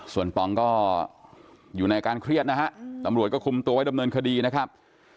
ส่วนปองก็อยู่ในอาการเครียดนะฮะตำรวจก็คุมตัวไว้ดำเนินคดีนะครับ